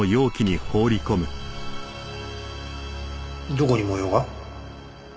どこに模様が？